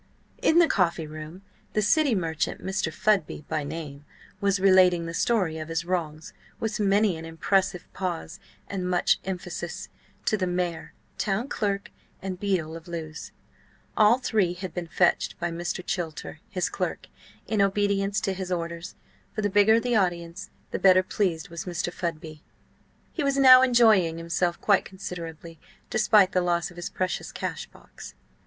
In the coffee room the city merchant, Mr. Fudby by name, was relating the story of his wrongs, with many an impressive pause, and much emphasis, to the mayor, town clerk, and beadle of Lewes. All three had been fetched by Mr. Chilter, his clerk, in obedience to his orders, for the bigger the audience the better pleased was Mr. Fudby. He was now enjoying himself quite considerably, despite the loss of his precious cash box.